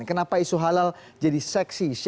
kenapa isu halal jadi seksi